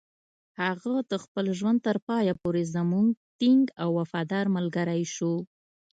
هغه د خپل ژوند تر پایه پورې زموږ ټینګ او وفادار ملګری شو.